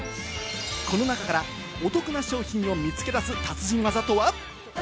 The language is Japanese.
この中からお得な商品を見つけ出す達人技とは？